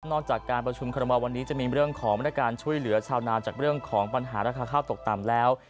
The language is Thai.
จากการประชุมคอรมอลวันนี้จะมีเรื่องของบริการช่วยเหลือชาวนาจากเรื่องของปัญหาราคาข้าวตกต่ำแล้ว